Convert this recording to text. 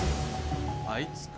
あいつか。